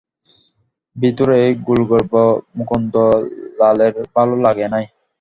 ভৃত্যের এই কুলগর্ব মুকুন্দলালের ভালো লাগে নাই।